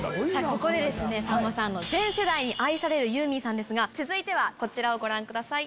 ここでさんまさん全世代に愛されるユーミンさんですが続いてはこちらをご覧ください。